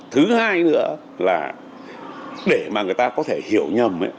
thứ hai nữa là để mà người ta có thể hiểu nhầm